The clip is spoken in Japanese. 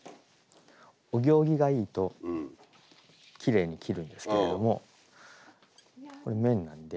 お行儀がいいときれいに切るんですけれども。